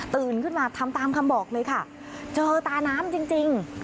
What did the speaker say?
ขึ้นมาทำตามคำบอกเลยค่ะเจอตาน้ำจริงจริง